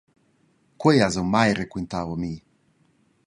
Quei has gnanc raquintau a mi.